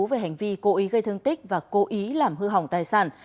về hành vi cố ý gây thương tích và cố ý làm hư hỏng tài sản